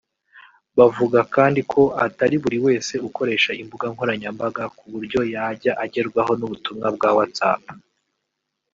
Bavuga kandi ko atari buri wese ukoresha imbuga nkoranyambaga ku buryo yajya agerwaho n’ubutumwa bwa WhatsApp